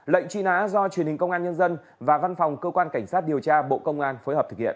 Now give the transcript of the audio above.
lệnh truy nã do truyền hình công an nhân dân và văn phòng cơ quan cảnh sát điều tra bộ công an phối hợp thực hiện